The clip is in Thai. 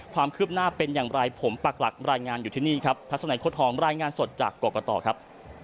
ความคืบหน้าเป็นอย่างไรผมปักหลักรายงานอยู่ที่นี่ครับทัศนัยโค้ดทองรายงานสดจากกรกตครับ